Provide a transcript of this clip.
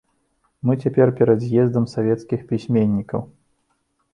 Мы цяпер перад з'ездам савецкіх пісьменнікаў.